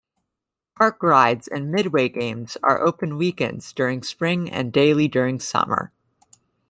Park rides and midway games are open weekends during spring and daily during summer.